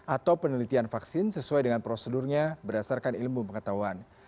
atau penelitian vaksin sesuai dengan prosedurnya berdasarkan ilmu pengetahuan